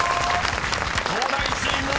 ［東大チーム